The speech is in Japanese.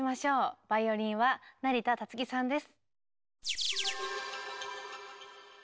バイオリンは成田達輝さんです。